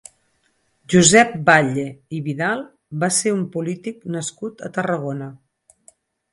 Josep Batlle i Vidal va ser un polític nascut a Tarragona.